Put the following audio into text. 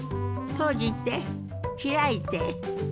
閉じて開いて。